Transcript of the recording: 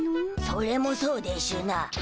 それもそうでしゅな。